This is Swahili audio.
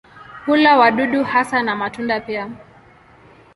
Hula wadudu hasa na matunda pia.